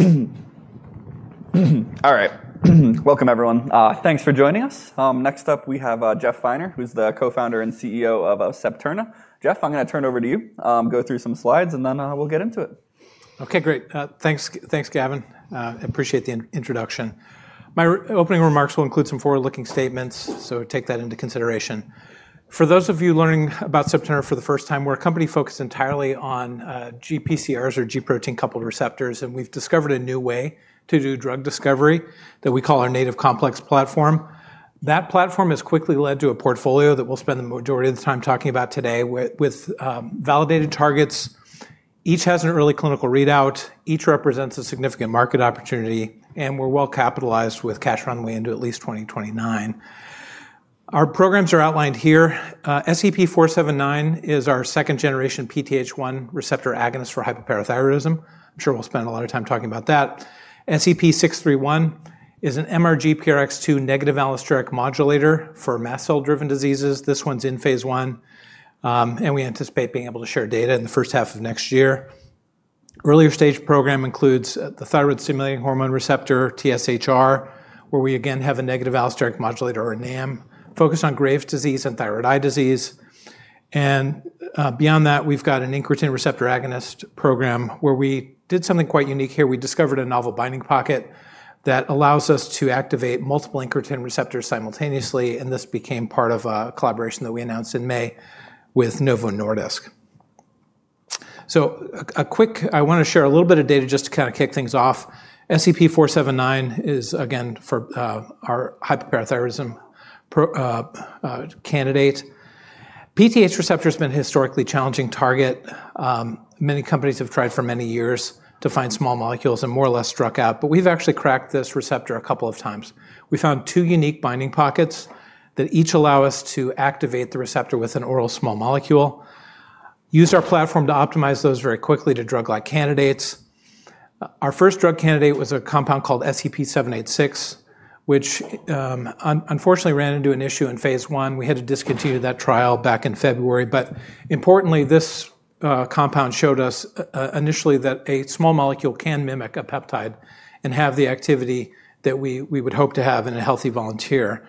All right. Welcome, everyone. Thanks for joining us. Next up, we have Jeff Finer who's the Co-founder and CEO of Septerna. Jeff, I'm going to turn it over to you, go through some slides, and then we'll get into it. OK, great. Thanks, Gavin. I appreciate the introduction. My opening remarks will include some forward-looking statements, so take that into consideration. For those of you learning about Septerna for the first time, we're a company focused entirely on GPCRs, or G protein-coupled receptors, and we've discovered a new way to do drug discovery that we call our Native Complex Platform. That platform has quickly led to a portfolio that we'll spend the majority of the time talking about today with validated targets. Each has an early clinical readout, each represents a significant market opportunity, and we're well capitalized with cash runway into at least 2029. Our programs are outlined here. SEP-479 is our second-generation PTH1 receptor agonist for hyperparathyroidism. I'm sure we'll spend a lot of time talking about that. SEP-631 is an MRGPRX2 negative allosteric modulator for mast cell-driven diseases. This one's in phase I, and we anticipate being able to share data in the first half of next year. Earlier stage program includes the thyroid-stimulating hormone receptor, TSHR, where we again have a negative allosteric modulator, or NAM, focused on Graves' disease and thyroid eye disease. Beyond that, we've got an incretin receptor agonist program where we did something quite unique here. We discovered a novel binding pocket that allows us to activate multiple incretin receptors simultaneously, and this became part of a collaboration that we announced in May with Novo Nordisk. A quick, I want to share a little bit of data just to kind of kick things off. SEP-479 is, again, for our hyperparathyroidism candidate. PTH receptor has been a historically challenging target. Many companies have tried for many years to find small molecules and more or less struck out, but we've actually cracked this receptor a couple of times. We found two unique binding pockets that each allow us to activate the receptor with an oral small molecule. Used our platform to optimize those very quickly to drug-like candidates. Our first drug candidate was a compound called SEP-786, which unfortunately ran into an issue in phase I. We had to discontinue that trial back in February. Importantly, this compound showed us initially that a small molecule can mimic a peptide and have the activity that we would hope to have in a healthy volunteer.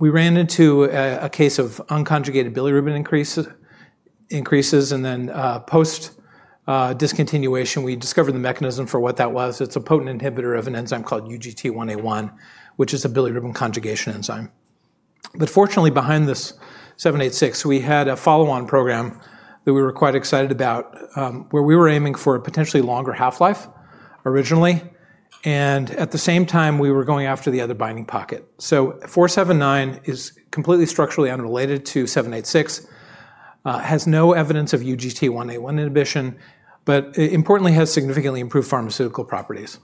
We ran into a case of unconjugated bilirubin increases, and then post-discontinuation, we discovered the mechanism for what that was. It's a potent inhibitor of an enzyme called UGT1A1, which is a bilirubin conjugation enzyme. Fortunately, behind this 786, we had a follow-on program that we were quite excited about where we were aiming for a potentially longer half-life originally, and at the same time, we were going after the other binding pocket. So 479 is completely structurally unrelated to 786, has no evidence of UGT1A1 inhibition, but importantly, has significantly improved pharmaceutical properties.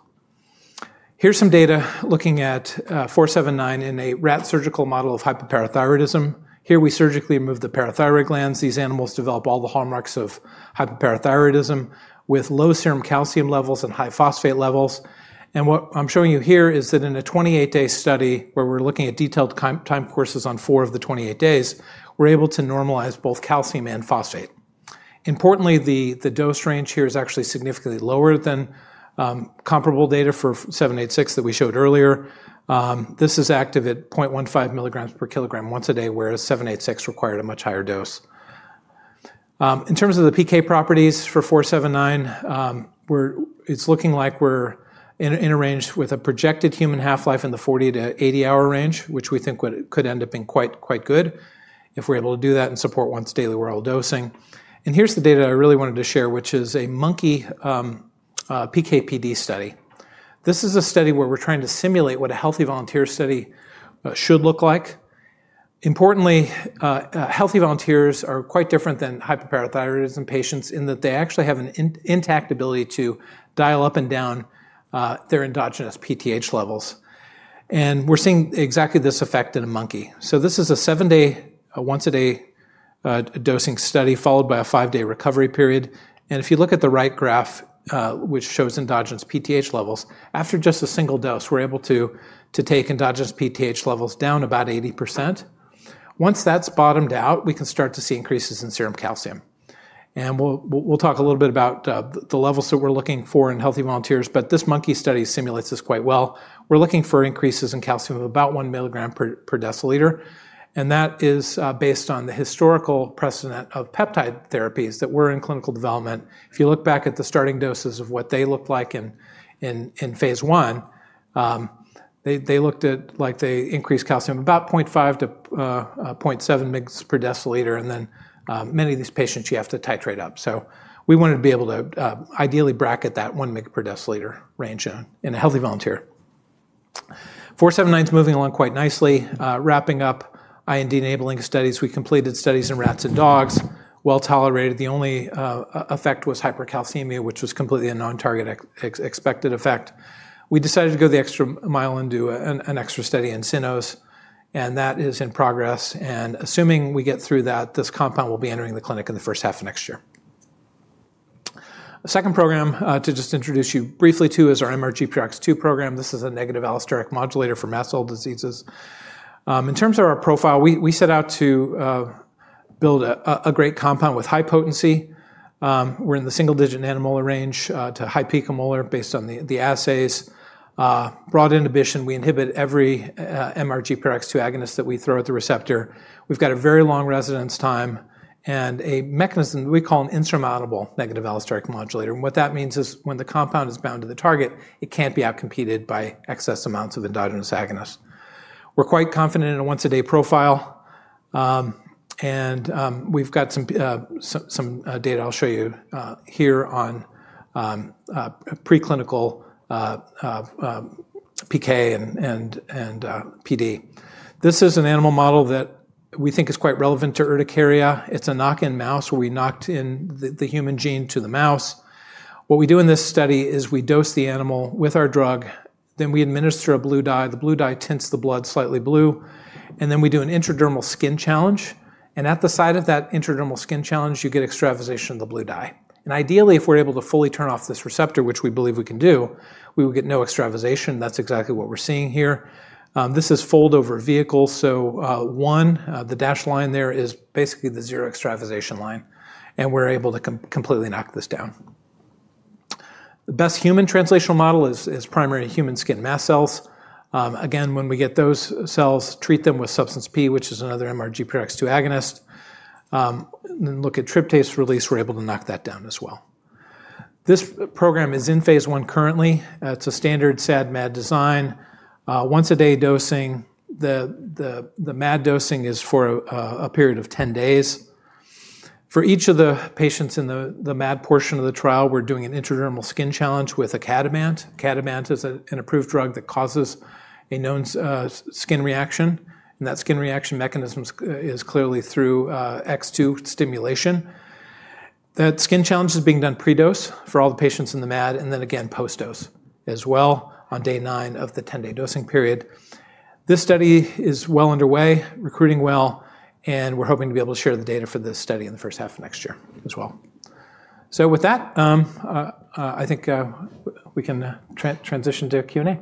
Here's some data looking at 479 in a rat surgical model of hyperparathyroidism. Here we surgically removed the parathyroid glands. These animals develop all the hallmarks of hyperparathyroidism with low serum calcium levels and high phosphate levels. What I'm showing you here is that in a 28-day study where we're looking at detailed time courses on four of the 28 days, we're able to normalize both calcium and phosphate. Importantly, the dose range here is actually significantly lower than comparable data for 786 that we showed earlier. This is active at 0.15 mg per kg once a day, whereas 786 required a much higher dose. In terms of the PK properties for 479, it's looking like we're in a range with a projected human half-life in the 40-80 hour range, which we think could end up being quite good if we're able to do that and support once-daily oral dosing. Here's the data I really wanted to share, which is a monkey PK/PD study. This is a study where we're trying to simulate what a healthy volunteer study should look like. Importantly, healthy volunteers are quite different than hyperparathyroidism patients in that they actually have an intact ability to dial up and down their endogenous PTH levels. We're seeing exactly this effect in a monkey. This is a seven-day, once-a-day dosing study followed by a five-day recovery period. If you look at the right graph, which shows endogenous PTH levels, after just a single dose, we're able to take endogenous PTH levels down about 80%. Once that's bottomed out, we can start to see increases in serum calcium. We'll talk a little bit about the levels that we're looking for in healthy volunteers, but this monkey study simulates this quite well. We're looking for increases in calcium of about 1 mg per dL, and that is based on the historical precedent of peptide therapies that were in clinical development. If you look back at the starting doses of what they looked like in phase I, they looked like they increased calcium about 0.5 to 0.7 mg per dL, and then many of these patients you have to titrate up. We wanted to be able to ideally bracket that 1 mg per dL range in a healthy volunteer. 479 is moving along quite nicely. Wrapping up IND enabling studies, we completed studies in rats and dogs. Well tolerated. The only effect was hypercalcemia, which was completely a non-target expected effect. We decided to go the extra mile and do an extra study in cynomolgus monkeys, and that is in progress. Assuming we get through that, this compound will be entering the clinic in the first half of next year. A second program to just introduce you briefly to is our MRGPRX2 program. This is a negative allosteric modulator for mast cell diseases. In terms of our profile, we set out to build a great compound with high potency. We're in the single-digit nanomolar range to high picomolar based on the assays. Broad inhibition, we inhibit every MRGPRX2 agonist that we throw at the receptor. We've got a very long residence time and a mechanism that we call an insurmountable negative allosteric modulator. What that means is when the compound is bound to the target, it can't be outcompeted by excess amounts of endogenous agonists. We're quite confident in a once-a-day profile, and we've got some data I'll show you here on preclinical PK and PD. This is an animal model that we think is quite relevant to urticaria. It's a knock-in mouse where we knocked in the human gene to the mouse. What we do in this study is we dose the animal with our drug, then we administer a blue dye. The blue dye tints the blood slightly blue, and then we do an intradermal skin challenge. At the side of that intradermal skin challenge, you get extravasation of the blue dye. Ideally, if we're able to fully turn off this receptor, which we believe we can do, we will get no extravasation. That's exactly what we're seeing here. This is fold over vehicle, so one, the dashed line there is basically the zero extravasation line, and we're able to completely knock this down. The best human translational model is primary human skin mast cells. Again, when we get those cells, treat them with Substance P, which is another MRGPRX2 agonist, then look at tryptase release. We're able to knock that down as well. This program is in phase I currently. It's a standard SAD-MAD design. Once-a-day dosing. The MAD dosing is for a period of 10 days. For each of the patients in the MAD portion of the trial, we're doing an intradermal skin challenge with Icatibant. Icatibant is an approved drug that causes a known skin reaction, and that skin reaction mechanism is clearly through X2 stimulation. That skin challenge is being done pre-dose for all the patients in the MAD, and then again post-dose as well on day nine of the 10-day dosing period. This study is well underway, recruiting well, and we're hoping to be able to share the data for this study in the first half of next year as well. With that, I think we can transition to Q&A.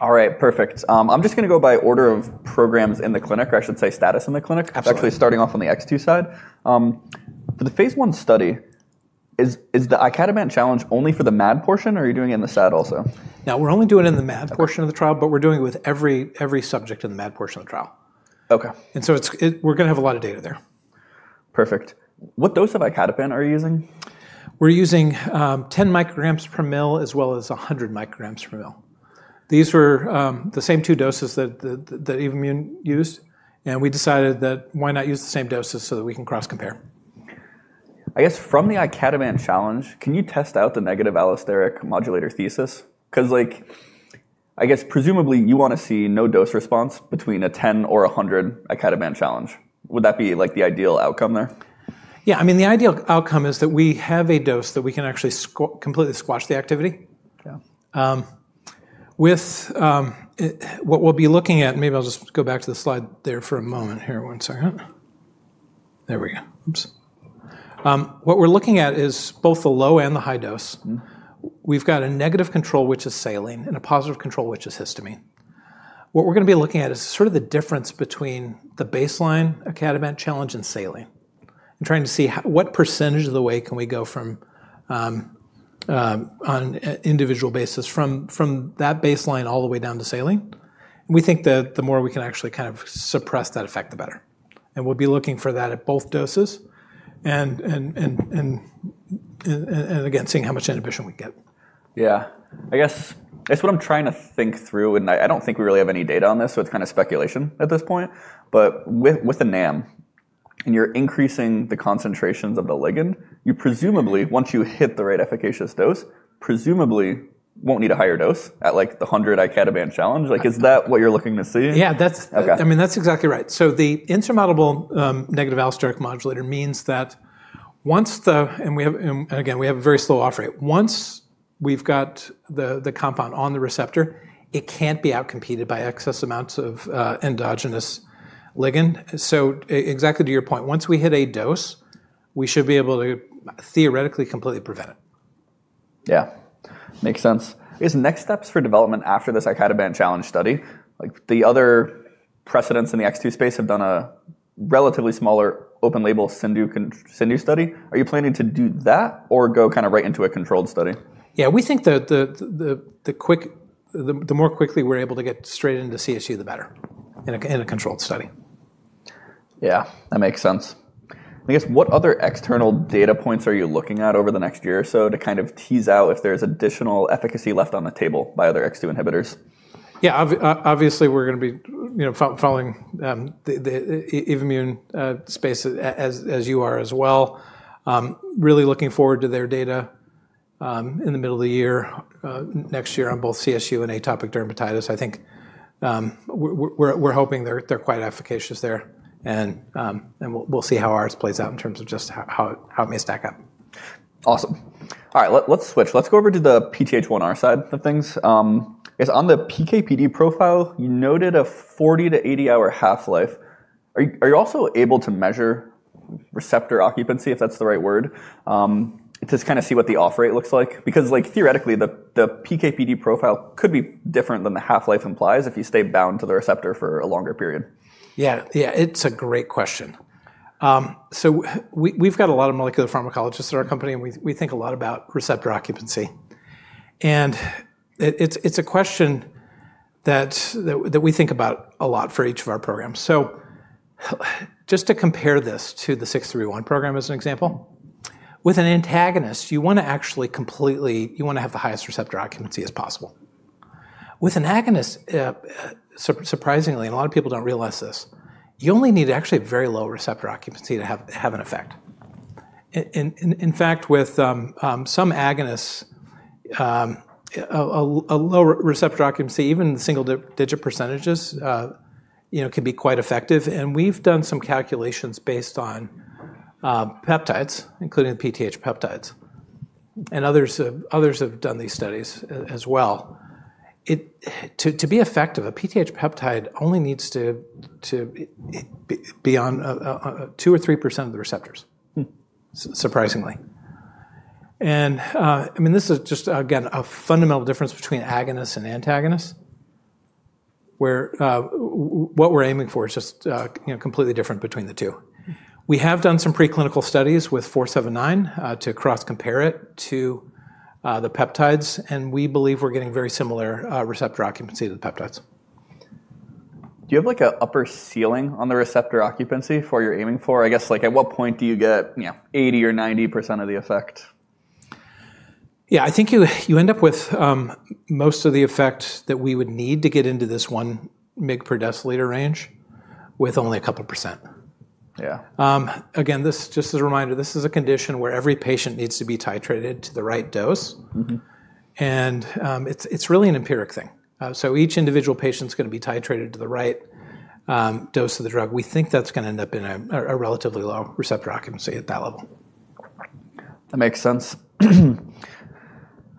All right, perfect. I'm just going to go by order of programs in the clinic, or I should say status in the clinic. Absolutely. It's actually starting off on the X2 side. For the phase I study, is the Icatibant challenge only for the MAD portion, or are you doing it in the SAD also? Now, we're only doing it in the MAD portion of the trial, but we're doing it with every subject in the MAD portion of the trial. OK. We're going to have a lot of data there. Perfect. What dose of Icatibant are you using? We're using 10 mcg per mL as well as 100 mcg per mL. These were the same two doses that Evommune used, and we decided that why not use the same doses so that we can cross-compare. I guess from the Icatibant challenge, can you test out the negative allosteric modulator thesis? Because I guess presumably you want to see no dose response between a 10 or 100 Icatibant challenge. Would that be the ideal outcome there? Yeah, I mean, the ideal outcome is that we have a dose that we can actually completely squash the activity. With what we'll be looking at, maybe I'll just go back to the slide there for a moment here. One second. There we go. Oops. What we're looking at is both the low and the high dose. We've got a negative control, which is saline, and a positive control, which is histamine. What we're going to be looking at is sort of the difference between the baseline Icatibant challenge and saline, and trying to see what percentage of the way can we go from on an individual basis from that baseline all the way down to saline. We think that the more we can actually kind of suppress that effect, the better. We'll be looking for that at both doses and again, seeing how much inhibition we get. Yeah. I guess what I'm trying to think through, and I don't think we really have any data on this, so it's kind of speculation at this point, but with the NAM, and you're increasing the concentrations of the ligand, you presumably, once you hit the right efficacious dose, presumably won't need a higher dose at like the 100 Icatibant challenge. Is that what you're looking to see? Yeah, I mean, that's exactly right. The insurmountable negative allosteric modulator means that once the, and again, we have a very slow off-rate, once we've got the compound on the receptor, it can't be outcompeted by excess amounts of endogenous ligand. Exactly to your point, once we hit a dose, we should be able to theoretically completely prevent it. Yeah, makes sense. Is next steps for development after this Icatibant challenge study? The other precedents in the X2 space have done a relatively smaller open-label SIENDO study. Are you planning to do that or go kind of right into a controlled study? Yeah, we think the more quickly we're able to get straight into CSU, the better in a controlled study. Yeah, that makes sense. I guess what other external data points are you looking at over the next year or so to kind of tease out if there's additional efficacy left on the table by other X2 inhibitors? Yeah, obviously we're going to be following the Evommune space as you are as well. Really looking forward to their data in the middle of the year next year on both CSU and atopic dermatitis. I think we're hoping they're quite efficacious there, and we'll see how ours plays out in terms of just how it may stack up. Awesome. All right, let's switch. Let's go over to the PTH1R side of things. On the PK/PD profile, you noted a 40-80 hour half-life. Are you also able to measure receptor occupancy, if that's the right word, to just kind of see what the off-rate looks like? Because theoretically, the PK/PD profile could be different than the half-life implies if you stay bound to the receptor for a longer period. Yeah, yeah, it's a great question. We've got a lot of molecular pharmacologists at our company, and we think a lot about receptor occupancy. It's a question that we think about a lot for each of our programs. Just to compare this to the 631 program as an example, with an antagonist, you want to actually completely, you want to have the highest receptor occupancy as possible. With an agonist, surprisingly, and a lot of people don't realize this, you only need actually very low receptor occupancy to have an effect. In fact, with some agonists, a low receptor occupancy, even single-digit percentages, can be quite effective. We've done some calculations based on peptides, including the PTH peptides. Others have done these studies as well. To be effective, a PTH peptide only needs to be on 2% or 3% of the receptors, surprisingly. I mean, this is just, again, a fundamental difference between agonist and antagonist, where what we're aiming for is just completely different between the two. We have done some preclinical studies with 479 to cross-compare it to the peptides, and we believe we're getting very similar receptor occupancy to the peptides. Do you have like an upper ceiling on the receptor occupancy for what you're aiming for? I guess at what point do you get 80% or 90% of the effect? Yeah, I think you end up with most of the effect that we would need to get into this 1 mg per dL range with only a couple percent. Yeah. Again, just as a reminder, this is a condition where every patient needs to be titrated to the right dose. It is really an empiric thing. Each individual patient is going to be titrated to the right dose of the drug. We think that is going to end up in a relatively low receptor occupancy at that level. That makes sense.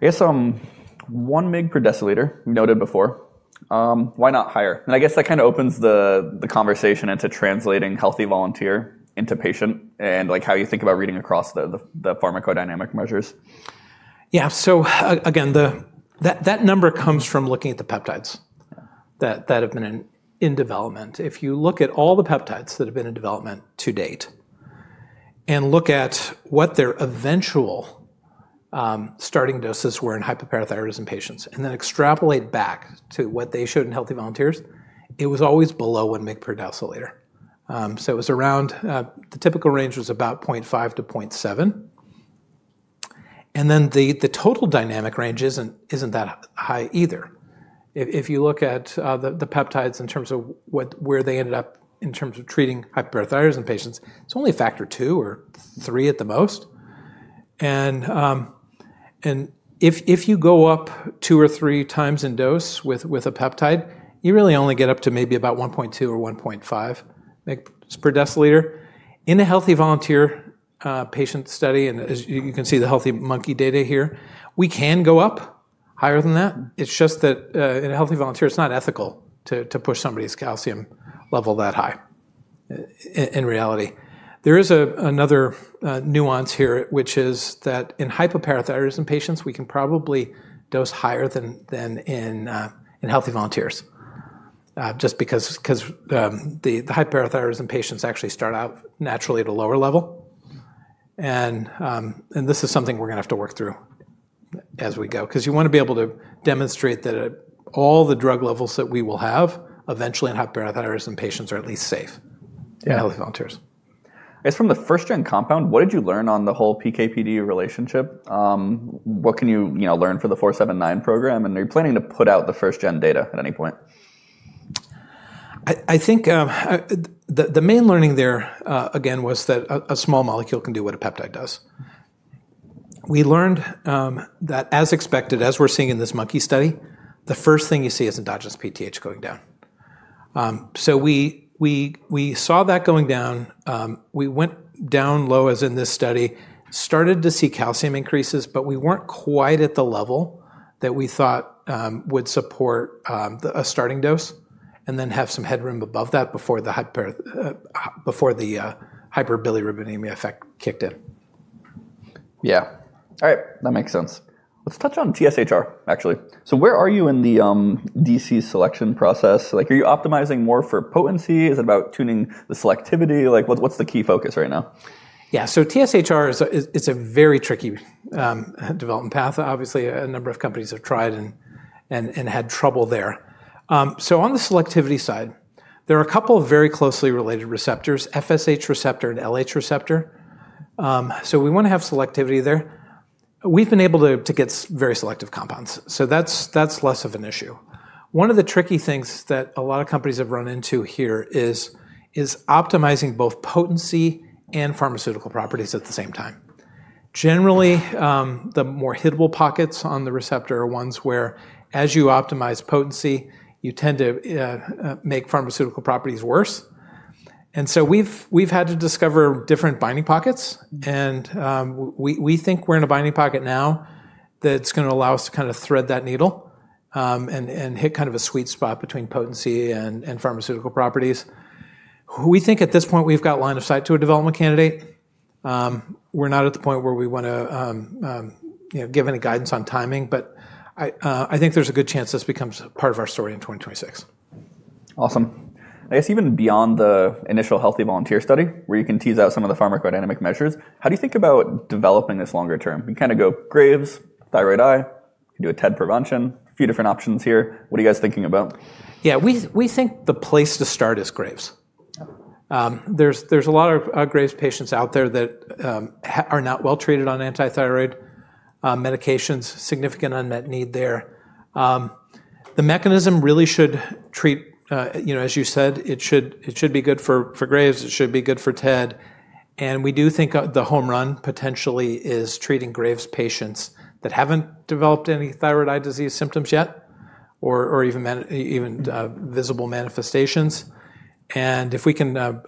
I guess 1 mg per dL we noted before. Why not higher? I guess that kind of opens the conversation into translating healthy volunteer into patient and how you think about reading across the pharmacodynamic measures. Yeah, so again, that number comes from looking at the peptides that have been in development. If you look at all the peptides that have been in development to date and look at what their eventual starting doses were in hyperparathyroidism patients, and then extrapolate back to what they showed in healthy volunteers, it was always below 1 mg per dL. So it was around the typical range was about 0.5 to 0.7. The total dynamic range isn't that high either. If you look at the peptides in terms of where they ended up in terms of treating hyperparathyroidism patients, it's only factor two or three at the most. If you go up two or three times in dose with a peptide, you really only get up to maybe about 1.2 or 1.5 mg per dL. In a healthy volunteer patient study, and as you can see the healthy monkey data here, we can go up higher than that. It's just that in a healthy volunteer, it's not ethical to push somebody's calcium level that high in reality. There is another nuance here, which is that in hyperparathyroidism patients, we can probably dose higher than in healthy volunteers just because the hyperparathyroidism patients actually start out naturally at a lower level. This is something we're going to have to work through as we go because you want to be able to demonstrate that all the drug levels that we will have eventually in hyperparathyroidism patients are at least safe in healthy volunteers. I guess from the first-gen compound, what did you learn on the whole PK/PD relationship? What can you learn for the 479 program? Are you planning to put out the first-gen data at any point? I think the main learning there, again, was that a small molecule can do what a peptide does. We learned that as expected, as we're seeing in this monkey study, the first thing you see is endogenous PTH going down. So we saw that going down. We went down low as in this study, started to see calcium increases, but we weren't quite at the level that we thought would support a starting dose and then have some headroom above that before the hyperbilirubinemia effect kicked in. Yeah. All right, that makes sense. Let's touch on TSHR, actually. Where are you in the DC selection process? Are you optimizing more for potency? Is it about tuning the selectivity? What's the key focus right now? Yeah, TSHR is a very tricky development path. Obviously, a number of companies have tried and had trouble there. On the selectivity side, there are a couple of very closely related receptors, FSH receptor and LH receptor. We want to have selectivity there. We've been able to get very selective compounds, so that's less of an issue. One of the tricky things that a lot of companies have run into here is optimizing both potency and pharmaceutical properties at the same time. Generally, the more hidden pockets on the receptor are ones where as you optimize potency, you tend to make pharmaceutical properties worse. We've had to discover different binding pockets, and we think we're in a binding pocket now that's going to allow us to kind of thread that needle and hit kind of a sweet spot between potency and pharmaceutical properties. We think at this point we've got line of sight to a development candidate. We're not at the point where we want to give any guidance on timing, but I think there's a good chance this becomes part of our story in 2026. Awesome. I guess even beyond the initial healthy volunteer study where you can tease out some of the pharmacodynamic measures, how do you think about developing this longer term? We kind of go Graves, thyroid eye, do a TED prevention, a few different options here. What are you guys thinking about? Yeah, we think the place to start is Graves. There's a lot of Graves patients out there that are not well treated on antithyroid medications, significant unmet need there. The mechanism really should treat, as you said, it should be good for Graves, it should be good for TED. We do think the home run potentially is treating Graves patients that haven't developed any thyroid eye disease symptoms yet or even visible manifestations. If we can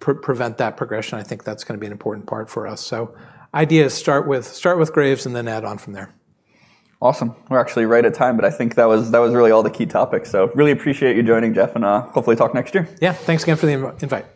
prevent that progression, I think that's going to be an important part for us. The idea is start with Graves and then add on from there. Awesome. We're actually right at time, but I think that was really all the key topics. So really appreciate you joining, Jeff, and hopefully talk next year. Yeah, thanks again for the invite.